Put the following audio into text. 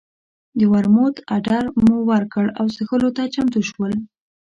د ورموت اډر مو ورکړ او څښلو ته چمتو شول.